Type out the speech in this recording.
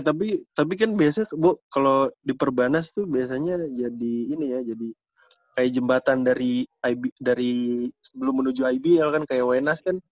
tapi kan biasanya bu kalau di perbanas itu biasanya jadi ini ya jadi kayak jembatan dari sebelum menuju ibl kan kayak wenas kan